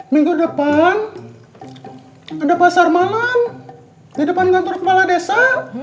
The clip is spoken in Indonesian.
minggu depan ada pasar malam di depan kantor kepala desa